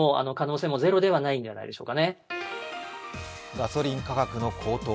ガソリン価格の高騰。